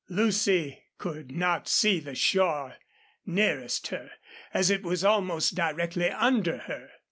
Lucy could not see the shore nearest her, as it was almost directly under her.